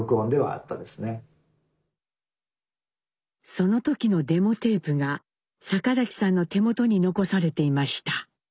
その時のデモテープが坂崎さんの手元に残されていました。